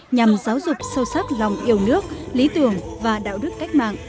nhằm giáo dục sâu sắc lòng yêu nước lý tưởng và đạo đức cách mạng